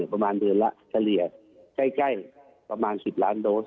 ประมาณเดือนละเฉลี่ยใกล้ประมาณ๑๐ล้านโดส